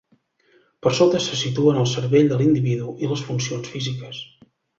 Per sota se situen el cervell de l’individu i les funcions físiques.